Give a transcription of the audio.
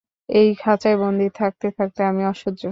এই খাঁচায় বন্দি থাকতে থাকতে আমি অসহ্য।